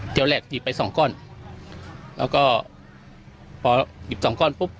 แหลกจีบไปสองก้อนแล้วก็พอหยิบสองก้อนปุ๊บ